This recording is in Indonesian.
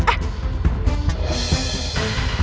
gue bisa telat masuk kuliah